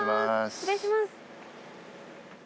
失礼します。